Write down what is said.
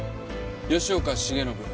吉岡繁信。